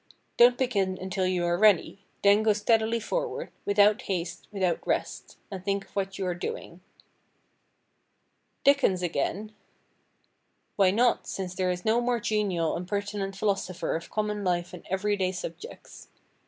Don't begin until you are ready; then go steadily forward, "without haste, without rest," and think of what you are doing. "Dickens again?" Why not, since there is no more genial and pertinent philosopher of common life and every day subjects?